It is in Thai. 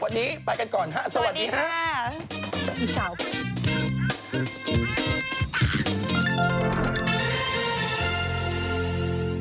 วันนี้ไปกันก่อนฮะสวัสดีค่ะสวัสดีค่ะ